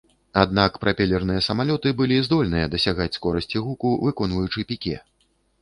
Аднак, прапелерныя самалёты былі здольныя дасягаць скорасці гуку, выконваючы піке.